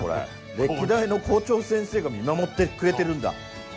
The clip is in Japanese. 歴代の校長先生が見守ってくれてるんだ。